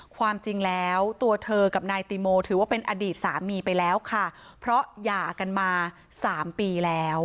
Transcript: ความจริงแล้วตัวเธอกับนายติโมถือว่าเป็นอดีตสามีไปแล้วค่ะเพราะหย่ากันมาสามปีแล้ว